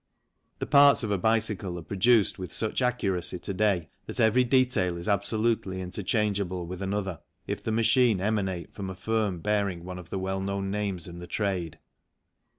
The parts of a bicycle are produced with such accuracy to day that every detail is absolutely interchangeable with another if the machine emanate from a firm bearing one of the well known names in the trade.